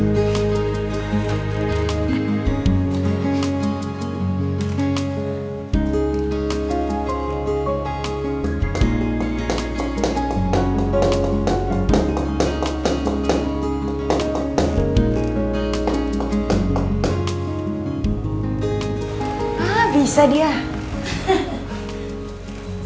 gak usah sayang